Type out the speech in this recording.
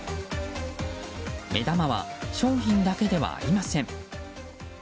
目玉は商品だけではありません。